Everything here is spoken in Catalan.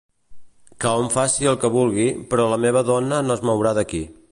Que hom faci el que vulgui, però la meva dona no es mourà d'aquí.